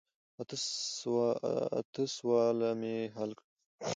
اته سواله مې حل کړه.